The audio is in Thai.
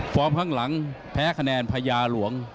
ข้างหลังแพ้คะแนนพญาหลวง